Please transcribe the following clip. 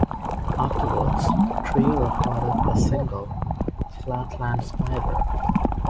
Afterwards the trio recorded a single, "Flatland Spider".